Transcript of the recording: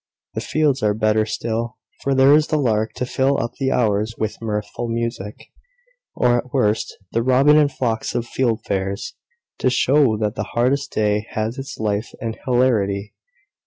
The fields are better still; for there is the lark to fill up the hours with mirthful music; or, at worst, the robin and flocks of fieldfares, to show that the hardest day has its life and hilarity.